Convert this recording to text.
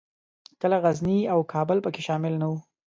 کله غزني او کابل پکښې شامل نه وو.